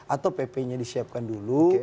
atau pp nya disiapkan dulu